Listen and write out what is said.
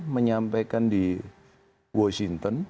menyampaikan di washington